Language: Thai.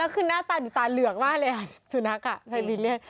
คือหน้าตามีตาเหลือกมากเลยสุนัขไซบินเรียก